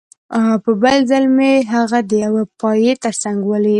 په بل ځل مې هغه د یوې پایې ترڅنګ ولیده